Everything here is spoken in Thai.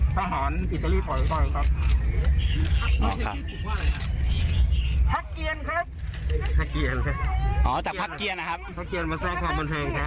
สร้างความบันเทิงครับ